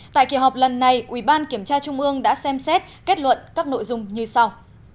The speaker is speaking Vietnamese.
tại kỳ họp lần này ủy ban kiểm tra trung ương đã xem xét kết luận các nội dung như sau